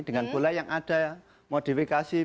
dengan bola yang ada modifikasi